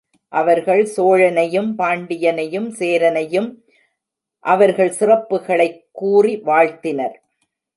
அவர்கள் சோழனையும், பாண்டியனையும், சேரனையும் அவர்கள் சிறப்புகளைக் கூறி வாழ்த்தினர்.